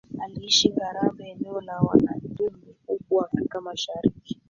Aliishi Ngarambe eneo la Wamatumbi huko Afrika Mashariki